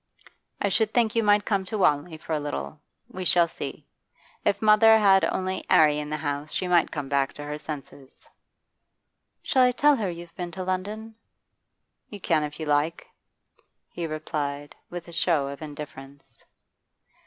'I should think you might come to Wanley for a little. We shall see. If mother had only 'Arry in the house, she might come back to her senses.' 'Shall I tell her you've been to London?' 'You can if you like,' he replied, with a show of indifference.